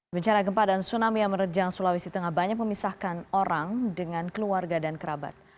bencana gempa dan tsunami yang menerjang sulawesi tengah banyak memisahkan orang dengan keluarga dan kerabat